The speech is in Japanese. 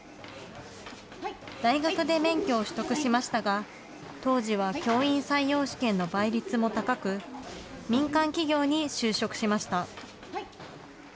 大学で免許を取得しましたが、当時は教員採用試験の倍率も高く、民間企業に就職しました。